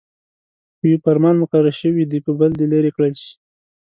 په يوه فرمان مقرر شوي دې په بل دې لیرې کړل شي.